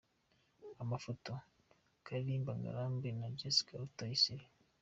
Amafoto : Karirima Ngarambe & Jessica Rutayisire .